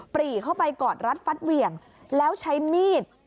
ปรีเข้าไปกอดรัดฟัดเหวี่ยงแล้วใช้มีด